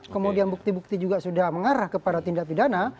kemudian bukti bukti juga sudah mengarah kepada tindak pidana